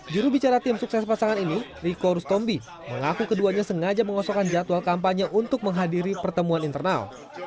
jurubicara tim sukses pasangan ini riko rustombi mengaku keduanya sengaja mengosokan jadwal kampanye untuk menghadiri pertemuan internal